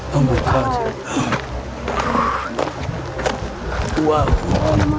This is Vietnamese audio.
cô ấy đã bước ra khỏi đoàn của cô ấy